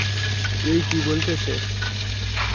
এই কী বলছে সে?